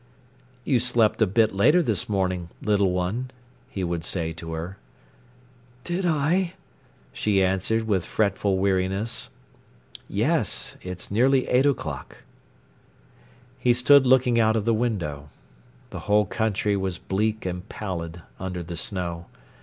"You slept a bit later this morning, little one," he would say to her. "Did I?" she answered, with fretful weariness. "Yes; it's nearly eight o'clock." He stood looking out of the window. The whole country was bleak and pallid under the snow.